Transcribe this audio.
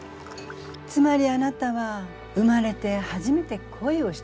つまりあなたは生まれて初めて恋をしたっていうこと？